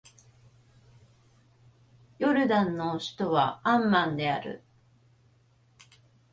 ヨルダンの首都はアンマンである